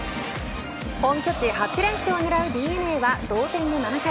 本拠地８連勝を狙うＤｅＮＡは同点の７回。